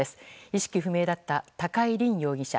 意識不明だった高井凜容疑者